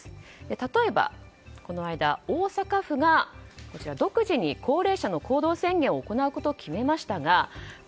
例えば、この間、大阪府が独自に高齢者の行動制限を行うことを決めましたがＢＡ